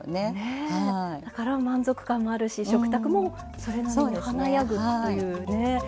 だから満足感もあるし食卓もそれなりに華やぐっていうね。